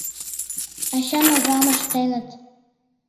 Ачам-авам ыштеныт.